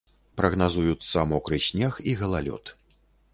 Прагназуюцца мокры снег і галалёд.